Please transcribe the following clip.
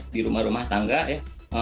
di rumah rumah tangga ya